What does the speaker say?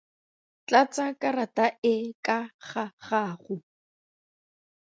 Tlatsa karata e ka ga gago.